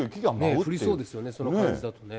降りそうですね、その感じだと。